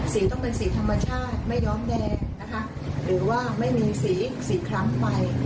ต้องเป็นสีธรรมชาติไม่ย้อมแดงนะคะหรือว่าไม่มีสีสีคล้ำไป